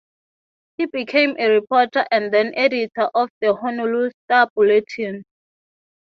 He became a reporter and then editor of the "Honolulu Star-Bulletin".